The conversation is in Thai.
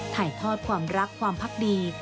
ถ่ายทอดความรักความพักดี